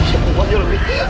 ya tuhan nuridin